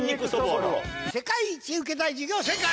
『世界一受けたい授業』正解。